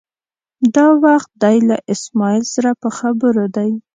دا وخت دی له اسمعیل سره په خبرو دی.